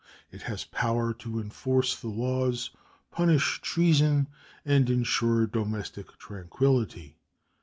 It has power to enforce the laws, punish treason, and insure domestic tranquillity.